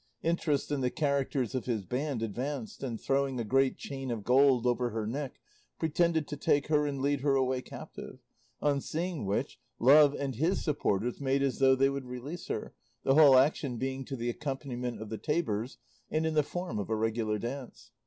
Interest and the characters of his band advanced, and throwing a great chain of gold over her neck pretended to take her and lead her away captive, on seeing which, Love and his supporters made as though they would release her, the whole action being to the accompaniment of the tabors and in the form of a regular dance.